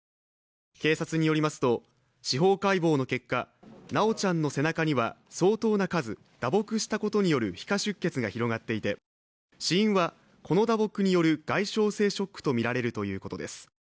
警察によりますと司法解剖の結果修ちゃんの背中には相当な数、打撲したことによる皮下出血が広がっていて死因はこの打撲による外傷性ショックとみられるということです。